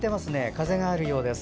風があるようです。